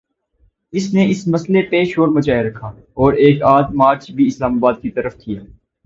اس نے اس مسئلے پہ شور مچائے رکھا اور ایک آدھ مارچ بھی اسلام آباد کی طرف کیا۔